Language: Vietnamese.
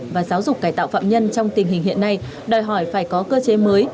và giáo dục cải tạo phạm nhân trong tình hình hiện nay đòi hỏi phải có cơ chế mới